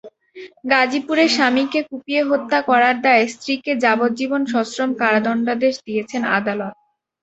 গাজীপুরে স্বামীকে কুপিয়ে হত্যা করার দায়ে স্ত্রীকে যাবজ্জীবন সশ্রম কারাদণ্ডাদেশ দিয়েছেন আদালত।